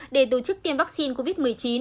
để tổ chức tiêm vaccine covid một mươi chín